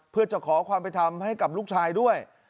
เพื่อจะขอความไปทำให้กับลูกชายด้วย